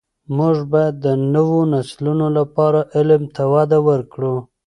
موږ باید د نوو نسلونو لپاره علم ته وده ورکړو.